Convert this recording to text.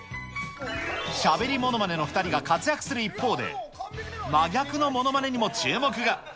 しゃべりものまねの２人が活躍する一方で、真逆のものまねにも注目が。